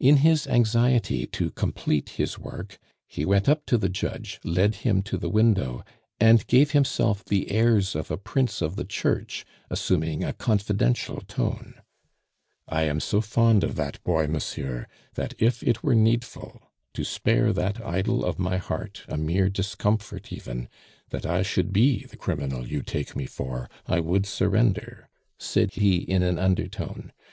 In his anxiety to complete his work he went up to the judge, led him to the window, and gave himself the airs of a prince of the Church, assuming a confidential tone: "I am so fond of that boy, monsieur, that if it were needful, to spare that idol of my heart a mere discomfort even, that I should be the criminal you take me for, I would surrender," said he in an undertone.